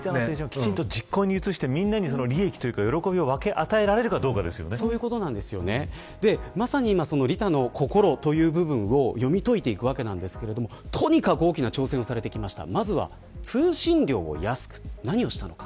きちんと実行に移して皆さんに喜びを分け与えられるかまさに利他の心という部分を読み解いていくわけなんですがとにかく大きな挑戦をされてきました。